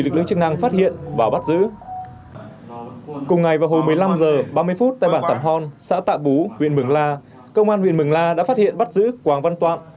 trong ba mươi phút tại bản tạm hòn xã tạ bú huyện mừng la công an huyện mừng la đã phát hiện bắt giữ quảng văn toạn